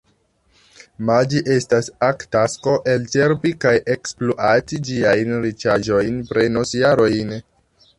Ma ĝi estas ak tasko: elĉerpi kaj ekspluati ĝiajn riĉaĵojn prenos jarojn.